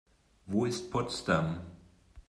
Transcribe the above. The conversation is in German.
Wo ist Potsdam?